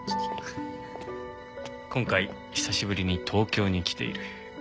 今回久しぶりに東京に来ている。